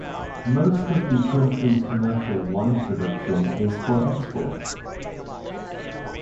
Most of the country's commercial wine production is for export.